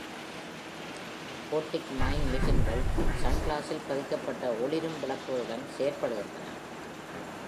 ஃபோட்டிக் mind மெஷின்கள் சன்கிளாஸில் பதிக்கப்பட்ட ஒளிரும் விளக்குகளுடன் செயல்படுகின்றன.